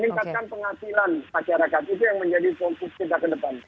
dan menjadikan penghasilan masyarakat itu yang menjadi fokus kita ke depan